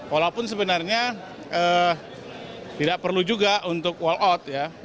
walaupun sebenarnya tidak perlu juga untuk walkout ya